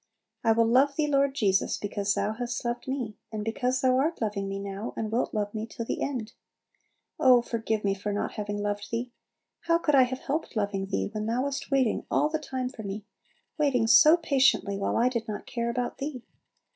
I will love Thee, Lord Jesus, because Thou hast loved me, and because Thou art loving me now, and wilt love me to the end. Oh, forgive me for not having loved Thee! How could I have helped loving Thee, when Thou wast waiting all the time for me, waiting so patiently while I did not care about Thee!